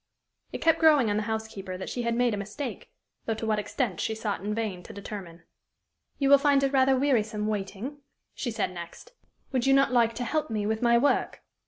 It kept growing on the housekeeper that she had made a mistake though to what extent she sought in vain to determine. "You will find it rather wearisome waiting," she said next; " would you not like to help me with my work?"